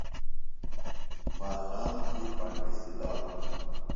ماخام تھی پانٹیۡ سِلانوۡ۔